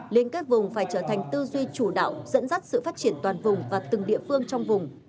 liên kết vùng phải trở thành tư duy chủ đạo dẫn dắt sự phát triển toàn vùng và từng địa phương trong vùng